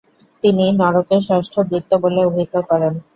তিনি " নরকের ষষ্ঠ বৃত্ত " বলে অভিহিত করেন।